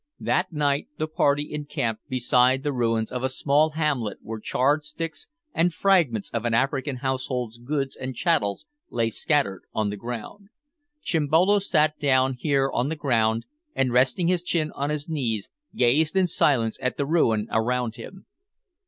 That night the party encamped beside the ruins of a small hamlet where charred sticks and fragments of an African household's goods and chattels lay scattered on the ground. Chimbolo sat down here on the ground, and, resting his chin on his knees, gazed in silence at the ruin around him.